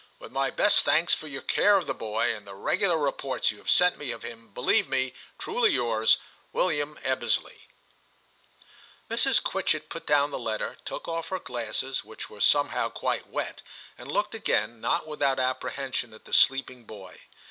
With my best thanks for your care of the boy and the regular reports you have sent me of him, believe me, truly yours, * William Ebbesley.' Mrs. Quitchett put down the letter, took off her glasses, which were somehow quite wet, and looked again, not without apprehension, at the sleeping boy.